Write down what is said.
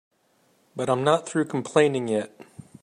But I'm not through complaining yet.